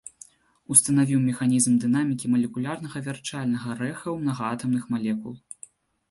Устанавіў механізм дынамікі малекулярнага вярчальнага рэха ў мнагаатамных малекул.